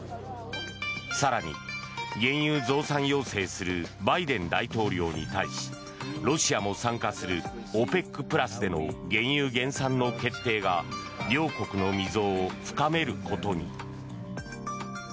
更に、原油増産要請するバイデン大統領に対しロシアも参加するＯＰＥＣプラスでの原油減産の決定が両国の溝を深めることに。